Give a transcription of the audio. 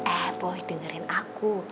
eh boy dengerin aku